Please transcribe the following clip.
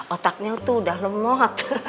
otaknya tuh udah lemot